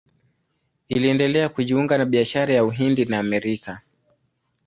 Iliendelea kujiunga na biashara ya Uhindi na Amerika.